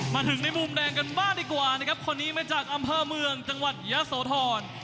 มาถึงในมุมแดงกันบ้างดีกว่านะครับคนนี้มาจากอำเภอเมืองจังหวัดยะโสธร